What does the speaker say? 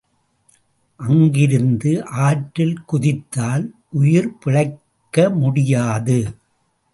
அங்கிருந்து ஆற்றில் குதித்தால் உயிர் பிழைக்க முடியாது.